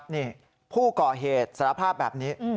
นี่ผู้ก่อเหตุสารภาพแบบนี้